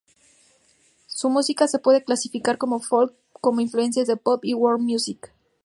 Su música se puede clasificar como Folk con influencias de Pop y World Music.